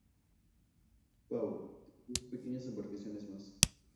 Paul" y dos pequeñas embarcaciones más.